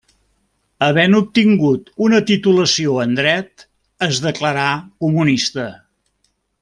Havent obtingut una titulació en Dret, es declarà comunista.